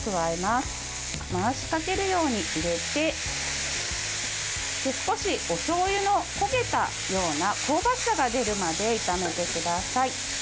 回しかけるように入れて少しおしょうゆの焦げたような香ばしさが出るまで炒めてください。